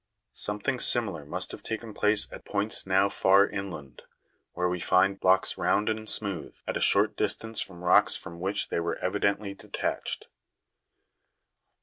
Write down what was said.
Something similar must have taken place at points now far inland, where we find blocks round and smooth, at a short distance from rocks from which they were evidently de tached.